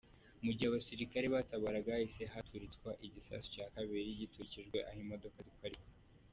Mu gihe abasirikare batabaraga, hahise haturitswa igisasu cya kabiri giturikirijwe aho imodoka ziparikwa.